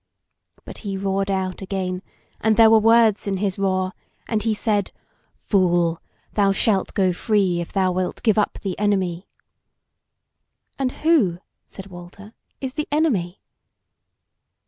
But he roared out again, and there were words in his roar, and he said "Fool! thou shalt go free if thou wilt give up the Enemy." "And who," said Walter, "is the Enemy?"